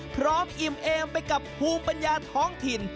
อิ่มเอมไปกับภูมิปัญญาท้องถิ่น